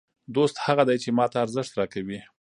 دوست هغه دئ، چي ما ته ارزښت راکوي.